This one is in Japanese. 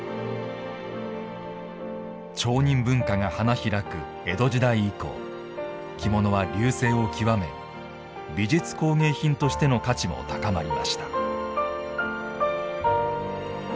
町人文化が花開く江戸時代以降着物は隆盛を極め美術工芸品としての価値も高まりました。